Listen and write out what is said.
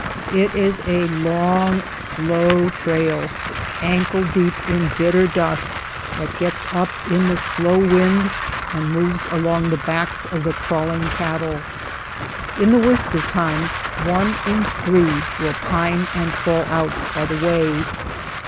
It is a long, slow 56 1 THE SCAVENGERS trail, ankle deep in bitter dust that gets up in the slow wind and moves along the backs of the crawling cattle. In the worst of times one in three will pine and fall out by the way.